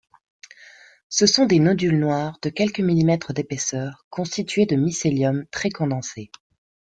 Ce sont des nodules noirs de quelques millimètres d’épaisseur constitués de mycélium très condensé.